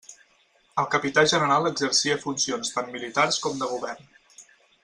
El capità general exercia funcions tant militars com de govern.